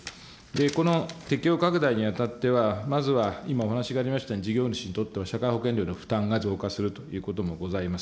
この適用拡大にあたっては、まずは今お話がありましたように、事業主にとっては、社会保険料の負担が増加するということもございます。